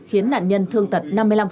khiến nạn nhân thương tật năm mươi năm